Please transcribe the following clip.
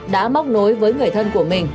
đã móc nối với người thân của mình